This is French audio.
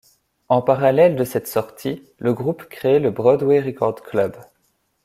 En parallèle de cette sortie, le groupe crée le Broadway Record Club.